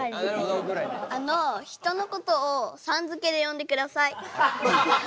あの人のことをさん付けで呼んでください。